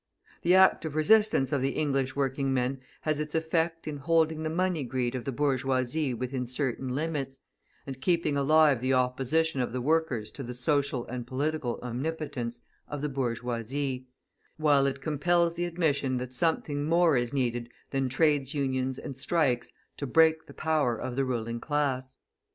The active resistance of the English working men has its effect in holding the money greed of the bourgeoisie within certain limits, and keeping alive the opposition of the workers to the social and political omnipotence of the bourgeoisie, while it compels the admission that something more is needed than Trades Unions and strikes to break the power of the ruling class.